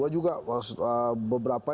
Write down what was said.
dua juga beberapa